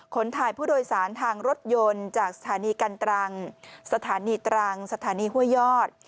ขนถ่ายผู้โดยสารทางรถยนต์จากสถานีกันตรังสถานีตรังสถานีห้วยยอด